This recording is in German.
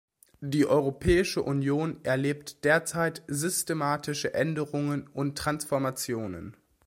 Die Europäische Union erlebt derzeit systematische Änderungen und Transformationen.